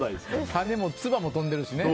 種もつばも飛んでるしね。